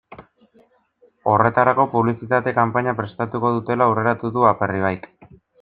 Horretarako publizitate kanpaina prestatuko dutela aurreratu du Aperribaik.